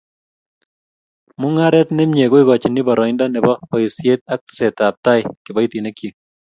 Mungaret ne mie ko ikochin boroindo ne bo boisiet ak tesetab tai kiboitinikyik